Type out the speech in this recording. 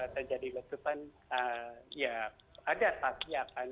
ada pasti akan terjadi letupan